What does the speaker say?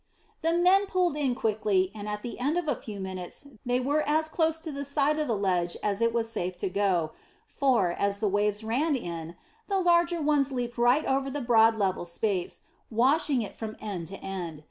The men pulled in quickly, and at the end of a few minutes they were as close to the side of the ledge as it was safe to go, for, as the waves ran in, the larger ones leaped right over the broad level space, washing it from end to end.